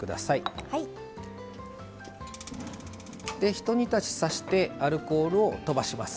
一煮立ちさしてアルコールをとばします。